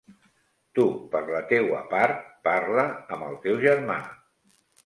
Tu, per la teua part, parla amb el teu germà.